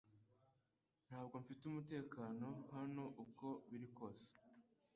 Ntabwo mfite umutekano hanouko biri kose